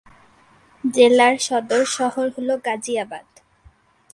জেলার সদর শহর হল গাজিয়াবাদ।